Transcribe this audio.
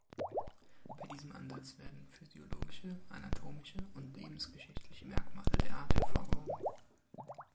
Bei diesem Ansatz werden physiologische, anatomische und lebensgeschichtliche Merkmale der Art hervorgehoben.